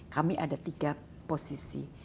kami ada tiga posisi